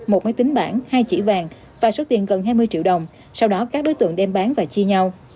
một máy tính bản hai chỉ vàng và số tiền gần hai mươi triệu đồng sau đó các đối tượng đem bán và chia nhau